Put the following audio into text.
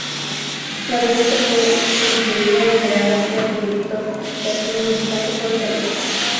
La revista fue concebida y creada por productor y creativo mexicano Jorge Alor.